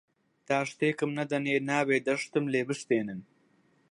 تا شتێکم نەدەنێ نابێ دە شتم لێ بستێنن